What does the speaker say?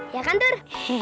ya kan tur